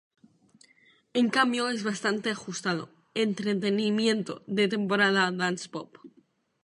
En cambio, es bastante ajustado, entretenimiento de temporada dance-pop.